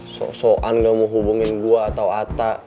so soan gak mau hubungin gue atau atta